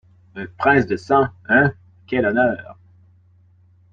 Un prince du sang, hein ! quel honneur !